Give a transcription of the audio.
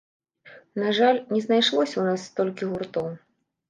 На жаль, не знайшлося ў нас столькі гуртоў.